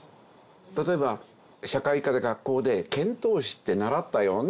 例えば社会科で学校で遣唐使って習ったよね？